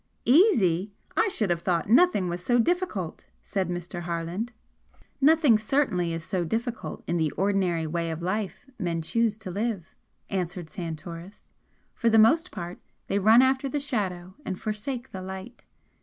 "Easy! I should have thought nothing was so difficult!" said Mr. Harland. "Nothing certainly is so difficult in the ordinary way of life men choose to live," answered Santoris "For the most part they run after the shadow and forsake the light.